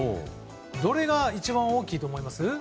どれが一番大きいと思います？